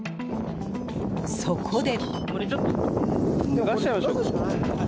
そこで。